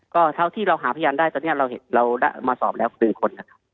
ก็เท่าที่เราหาพยานได้ตอนนี้เรามาสอบแล้ว๑คนนะครับ